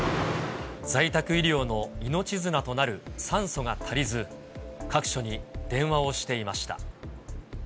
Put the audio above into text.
在宅医療の命綱となる酸素が足りず、各所に電話をしていました。